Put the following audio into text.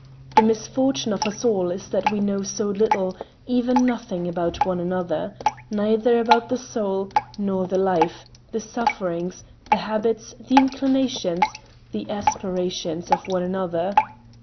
The misfortune of us all is that we know so little, even nothing, about one another—neither about the soul, nor the life, the sufferings, the habits, the inclinations, the aspirations of one another.